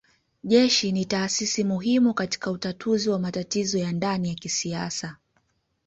Jeshi ni taasisi muhimu katika utatuzi wa matatizo ya ndani ya kisiasa